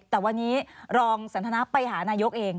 แต่วันนี้รองสันทนาไปหานายกเอง